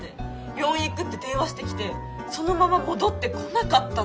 病院行くって電話してきてそのまま戻ってこなかったの。